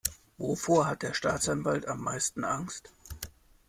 Wovor hat der Staatsanwalt am meisten Angst?